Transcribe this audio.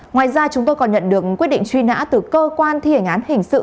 ngoài ra chúng tôi còn nhận được quyết định truy nã từ cơ quan thi hành án hình sự